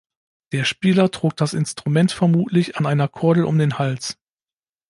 Der Spieler trug das Instrument vermutlich an einer Kordel um den Hals.